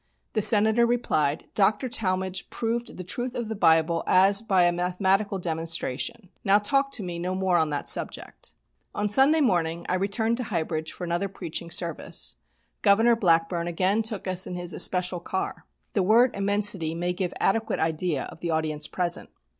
The Senator replied, "Doctor Talmage proved the truth of the Bible as by a mathematical demonstration. Now talk to me no more on that subject." On Sunday morning I returned to High Bridge for another preaching service. Governor Blackburn again took us in his especial car. The word "immensity" may give adequate idea of the audience present.